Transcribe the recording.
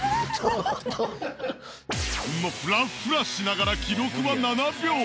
フラフラしながら記録は７秒。